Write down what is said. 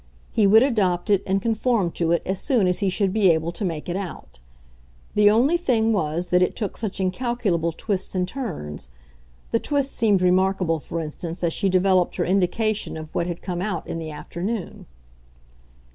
He would adopt it and conform to it as soon as he should be able to make it out. The only thing was that it took such incalculable twists and turns. The twist seemed remarkable for instance as she developed her indication of what had come out in the afternoon.